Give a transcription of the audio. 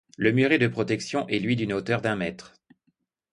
Le muret de protection est lui d'une hauteur d'un mètre.